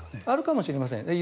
あるかもしれません。